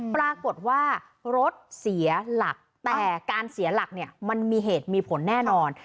ปรากฏว่ารถเสียหลักแต่การเสียหลักเนี่ยมันมีเหตุมีผลแน่นอน